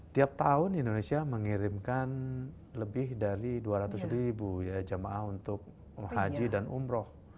tiap tahun indonesia mengirimkan lebih dari dua ratus ribu jamaah untuk haji dan umroh